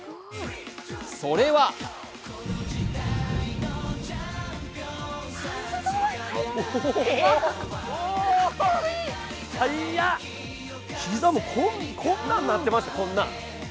それは膝もこんなんなってました。